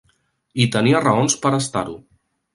I tenia raons per estar-ho.